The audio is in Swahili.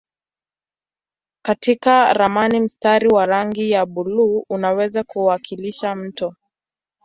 Katika ramani mstari wa rangi ya buluu unaweza kuwakilisha mto.